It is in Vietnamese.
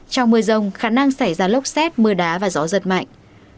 trong mưa rông khả năng xảy ra lốc xét mưa đá và gió giật mạnh